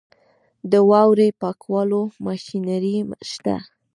د واورې پاکولو ماشینري شته؟